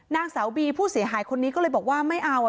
นางสาวบีผู้เสียหายคนนี้ก็เลยบอกว่าไม่เอา